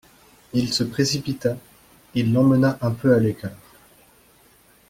Il se précipita, il l'emmena un peu à l'écart.